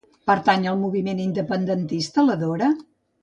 Pertany al moviment independentista la Dora?